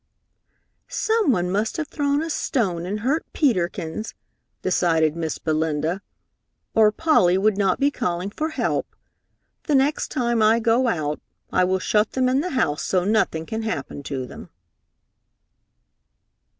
"Someone must have thrown a stone and hurt Peter Kins," decided Miss Belinda, "or Polly would not be calling for help. The next time I go out, I will shut them in the house so nothing can happen to them."